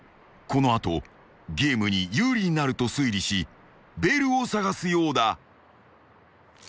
［この後ゲームに有利になると推理しベルを捜すようだ］